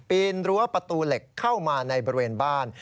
ปีนรั้วประตูเหล็กเข้ามาในบริเวณบ้าน